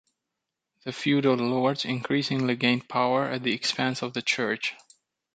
The feudal lords increasingly gained power at the expense of the church.